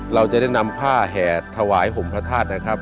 เราจะได้นำผ้าแห่ถวายห่มพระธาตุนะครับ